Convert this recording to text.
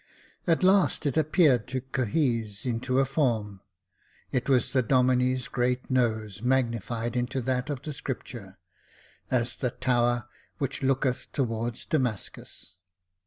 At last it appeared to cohese into a form — it was the Domine's great nose, magnified into that of the Scripture, " as the tower which looketh towards Damascus."